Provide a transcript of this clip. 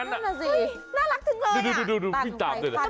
น่ารักถึงเลย